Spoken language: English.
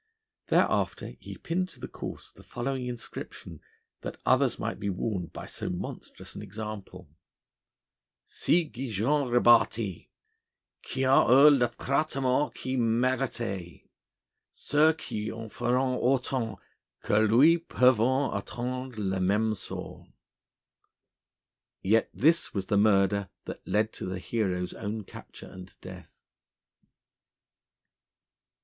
Thereafter he pinned to the corse the following inscription, that others might be warned by so monstrous an example: 'Ci git Jean Rebâti, qui a eu le traitement qu'il méritait: ceux qui en feront autant que lui peuvent attendre le même sort.' Yet this was the murder that led to the hero's own capture and death.